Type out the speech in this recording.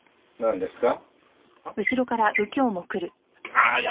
円ですか？